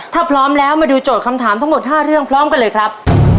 ถ้าพร้อมแล้วมาดูโจทย์คำถามทั้งหมด๕เรื่องพร้อมกันเลยครับ